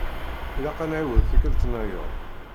Ilaq ad nɛiwed tikelt-nnayeḍ.